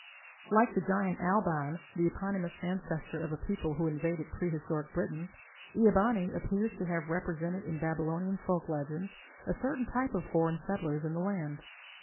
Like the giant Alban, the eponymous ancestor of a people who invaded prehistoric Britain, Ea bani appears to have represented in Babylonian folk legends a certain type of foreign settlers in the land.